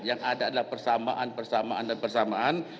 yang ada adalah persamaan persamaan dan persamaan